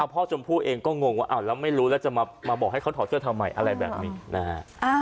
ชมพู่เองก็งงว่าแล้วไม่รู้แล้วจะมาบอกให้เขาถอดเสื้อทำไมอะไรแบบนี้นะฮะ